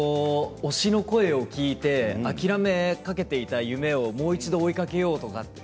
推しの声を聞いて諦めかけていた夢をもう一度追いかけようとか。